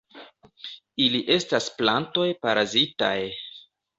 Ili estas plantoj parazitaj.